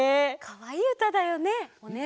かわいいうただよね。